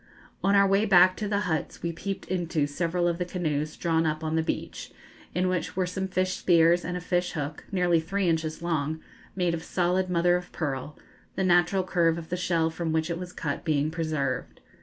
On our way back to the huts we peeped into several of the canoes drawn up on the beach, in which were some fish spears and a fish hook, nearly three inches long, made of solid mother of pearl, the natural curve of the shell from which it was cut being preserved.